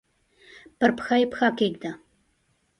پر پښه یې پښه کښېږده!